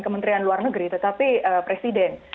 kementerian luar negeri tetapi presiden